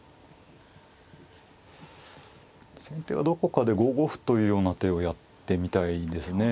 先手はどこかで５五歩というような手をやってみたいですね。